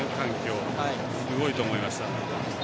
すごいと思いました。